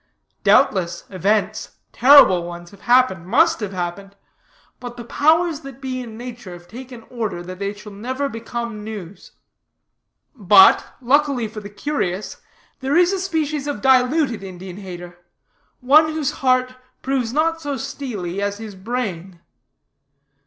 Doubtless, events, terrible ones, have happened, must have happened; but the powers that be in nature have taken order that they shall never become news. "'But, luckily for the curious, there is a species of diluted Indian hater, one whose heart proves not so steely as his brain.